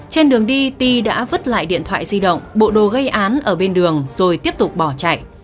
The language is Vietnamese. trên đường đi ti đã vứt lại điện thoại di động bộ đồ gây án ở bên đường rồi tiếp tục bỏ chạy